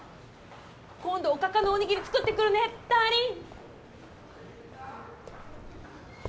今度おかかのお握り作ってくるねダーリン！